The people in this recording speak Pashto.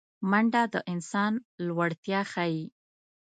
منډه د انسان لوړتیا ښيي